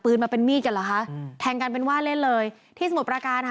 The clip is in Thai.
มาเป็นมีดกันเหรอคะอืมแทงกันเป็นว่าเล่นเลยที่สมุทรประการค่ะ